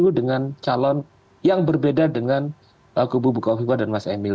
maju dengan calon yang berbeda dengan ibu kofifah dan mas emil